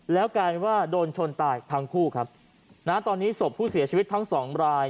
แล้วกลายเป็นว่าโดนชนตายทั้งคู่ครับนะตอนนี้ศพผู้เสียชีวิตทั้งสองราย